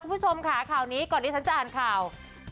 คุณผู้ชมค่ะข่าวนี้ก่อนที่ฉันจะอ่านข่าว